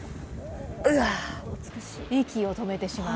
息を止めてしまう。